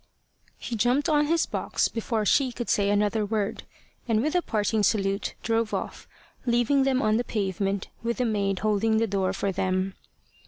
He jumped on his box before she could say another word, and with a parting salute drove off, leaving them on the pavement, with the maid holding the door for them.